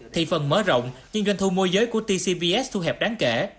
thị phần mở rộng nhưng doanh thu mua giới của tcbs thu hẹp đáng kể